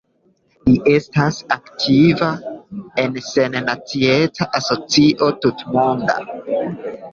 Li estas aktiva en Sennacieca Asocio Tutmonda.